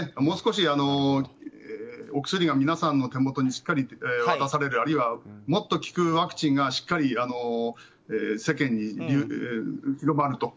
もう少しお薬が皆さんの手元にしっかり渡されるあるいはもっと効くワクチンが世間に広まる。